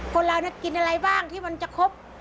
คนเราน่ะกินอะไรบ้างที่มันจะครบ